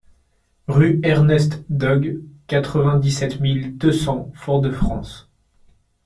Rue Ernest Dogue, quatre-vingt-dix-sept mille deux cents Fort-de-France